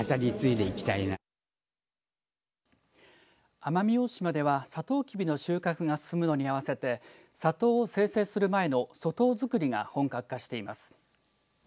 奄美大島ではさとうきびの収穫が進むのに合わせて砂糖を精製する前の粗糖作りが本格化しています。